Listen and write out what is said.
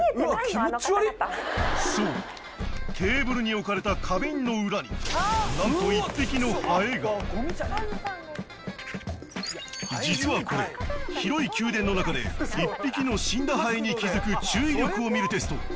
気持ちわりぃあの方々そうテーブルに置かれた花瓶の裏になんと１匹のハエが実はこれ広い宮殿の中で１匹の死んだハエに気づく注意力を見るテスト